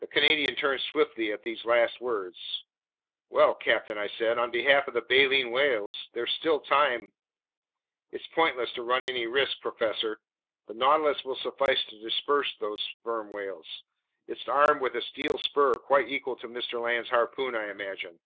The Canadian turned swiftly at these last words. "Well, captain," I said, "on behalf of the baleen whales, there's still time—" "It's pointless to run any risks, professor. The Nautilus will suffice to disperse these sperm whales. It's armed with a steel spur quite equal to Mr. Land's harpoon, I imagine."